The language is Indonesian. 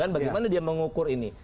bagaimana dia mengukur ini